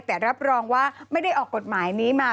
แต่รับรองว่าไม่ได้ออกกฎหมายนี้มา